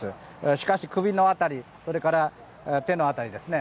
しかし、首の辺りそして手の辺りですね